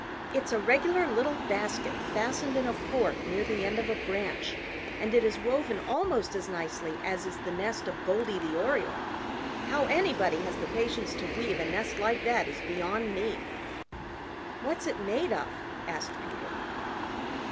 It's a regular little basket fastened in a fork near the end of a branch and it is woven almost as nicely as is the nest of Goldy the Oriole. How anybody has the patience to weave a nest like that is beyond me." "What's it made of?" asked Peter.